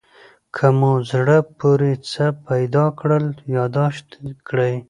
که مو زړه پورې څه پیدا کړل یادداشت کړئ.